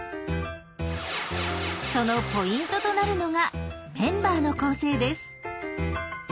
そのポイントとなるのがメンバーの構成です。